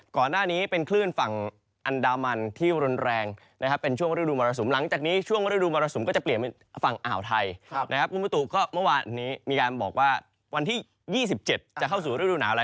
ก็เมื่อวานี้มีการบอกว่าวันที่๒๗จะเข้าสู่ฤดูหนาวอะไร